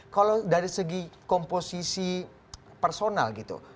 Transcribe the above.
kalau dari segi komposisi personal gitu